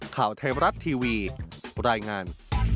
ข่าวไทยรัฐทีวีรายงาน